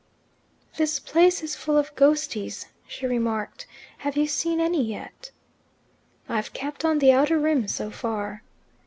"This place is full of ghosties," she remarked; "have you seen any yet?" "I've kept on the outer rim so far."